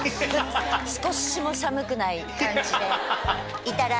少しも寒くない感じでいたら。